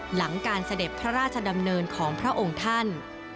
หลังการเสด็จพระราชดำเนินของพระองค์ท่าน